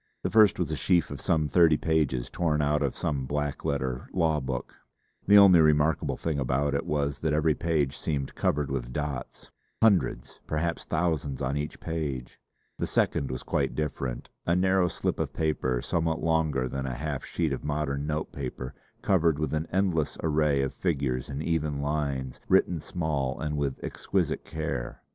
The first was a sheaf of some thirty pages torn out of some black letter law book. The only remarkable thing about it was that every page seemed covered with dots hundreds, perhaps thousands on each page. The second was quite different: a narrow slip of paper somewhat longer than a half sheet of modern note paper, covered with an endless array of figures in even lines, written small and with exquisite care.